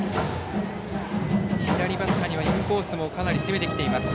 左バッターにはインコースもかなり攻めてきています